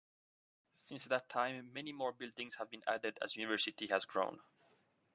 Since that time, many more buildings have been added as the university has grown.